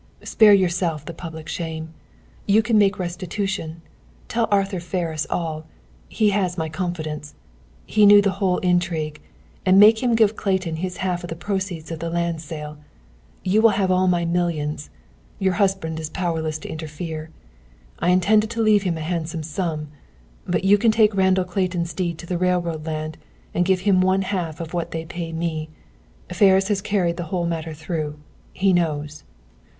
Spare yourself the public shame. You can make restitution. Tell Arthur Ferris all. He has my confidence. He knew the whole intrigue. And make him give Clayton his half of the proceeds of the land sale. You will have all my millions! Your husband is powerless to interfere. I intended to leave him a handsome sum. But you can take Randall Clayton's deed to the railroad land and give him one half of what they pay me. Ferris has carried the whole matter through. He knows."